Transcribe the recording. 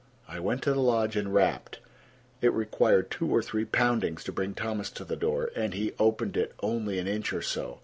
I went to the lodge and rapped. It required two or three poundings to bring Thomas to the door, and he opened it only an inch or so.